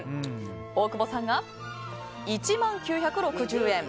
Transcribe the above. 大久保さんが１万９６０円。